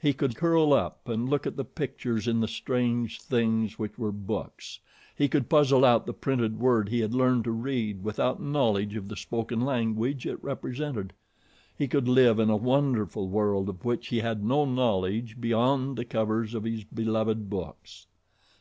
He could curl up and look at the pictures in the strange things which were books, he could puzzle out the printed word he had learned to read without knowledge of the spoken language it represented, he could live in a wonderful world of which he had no knowledge beyond the covers of his beloved books.